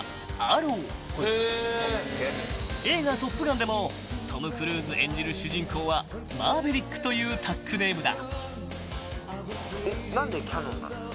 ［映画『トップガン』でもトム・クルーズ演じる主人公はマーヴェリックというＴＡＣネームだ］